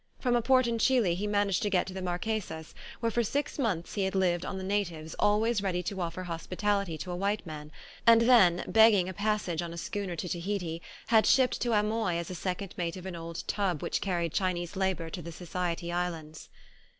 From a port in Chili he managed to get to the Marquesas where for six months he had lived on the natives always ready to offer hospitality to a white man, and then, begging a passage on a schooner to Tahiti, had shipped to Amoy as second mate of an old tub which carried Chinese labour to the Society Islands.